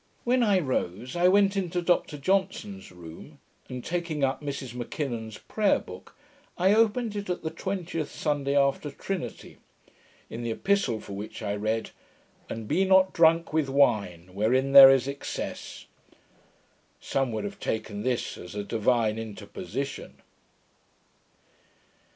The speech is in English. When I rose, I went into Dr Johnson's room, and taking up Mrs M'Kinnon's prayer book, I opened it at the twentieth Sunday after Trinity, in the epistle for which I read, 'And be not drunk with wine, wherein there is excess.' Some would have taken this as a divine interposition.